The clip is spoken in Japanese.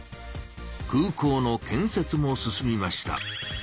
空港の建せつも進みました。